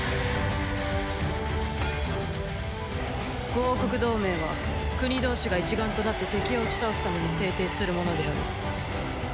５王国同盟は国同士が一丸となって敵を打ち倒すために制定するものである。